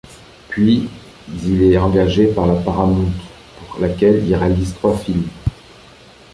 Puis il est engagé par la Paramount, pour laquelle il réalise trois films.